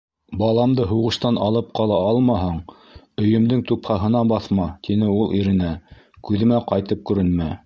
«Баламды һуғыштан алып ҡала алмаһаң, өйөмдөң тупһаһына баҫма! - тине ул иренә, - күҙемә ҡайтып күренмә!»